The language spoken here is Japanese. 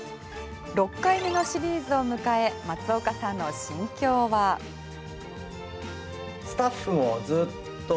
６回目のシリーズを迎え松岡さんの心境は。え？